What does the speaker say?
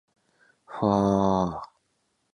ふぁあ